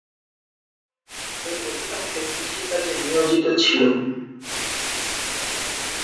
এদের অধিকাংশই কৃষিকাজে নিয়োজিত ছিল।